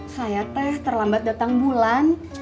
saya teh terlambat datang bulan